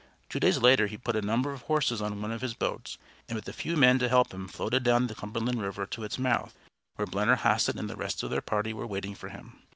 Two days later he put a number of horses on one of his boats, and with a few men to help him, floated down the Cumberland River to its mouth, where Blennerhassett and the rest of their party were waiting for him.